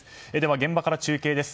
現場から中継です。